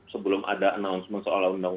sebelum ada announcement soal